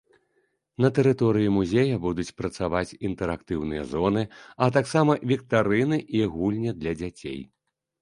На тэрыторыі музея будуць працаваць інтэрактыўныя зоны, а таксама віктарыны і гульні для дзяцей.